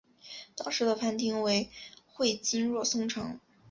当时的藩厅为会津若松城。